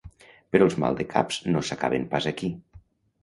Però els maldecaps no s’acaben pas aquí.